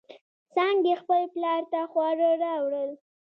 څانگې خپل پلار ته خواړه راوړل.